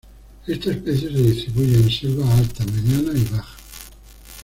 Esta especie se distribuye en selvas altas, medianas y bajas.